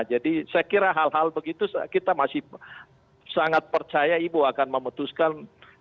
jadi saya kira hal hal begitu kita masih sangat percaya ibu akan memutuskan